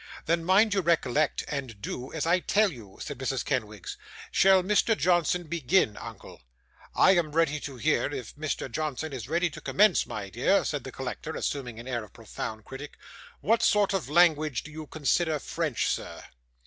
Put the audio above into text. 'Then mind you recollect, and do as I tell you,' said Mrs. Kenwigs. 'Shall Mr. Johnson begin, uncle?' 'I am ready to hear, if Mr. Johnson is ready to commence, my dear,' said the collector, assuming the air of a profound critic. 'What sort of language do you consider French, sir?